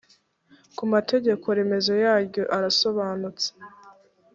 ku mategeko remezo yaryo arasobanutse